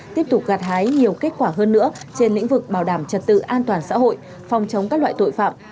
tiếp tục gạt hái nhiều kết quả hơn nữa trên lĩnh vực bảo đảm trật tự an toàn xã hội phòng chống các loại tội phạm